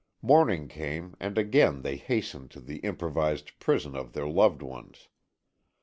Morning came and again they hastened to the improvised prison of their loved ones.